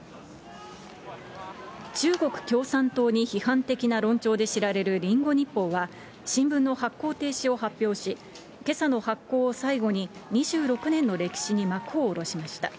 中国共産党に批判的な論調で知られるリンゴ日報は、新聞の発行停止を発表し、けさの発行を最後に、２６年の歴史に幕を下ろしました。